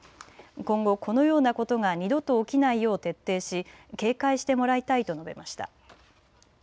今後このようなことが二度と起きないよう徹底し警戒してもらいたいと述べました。